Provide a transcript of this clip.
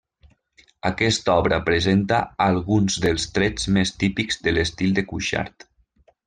Aquesta obra presenta alguns dels trets més típics de l'estil de Cuixart.